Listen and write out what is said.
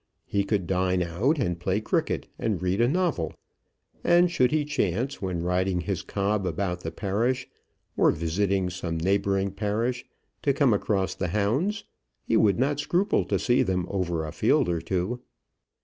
He could dine out, and play cricket, and read a novel. And should he chance, when riding his cob about the parish, or visiting some neighbouring parish, to come across the hounds, he would not scruple to see them over a field or two.